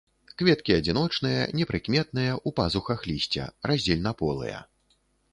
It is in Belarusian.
Кветкі адзіночныя, непрыкметныя, у пазухах лісця, раздзельнаполыя.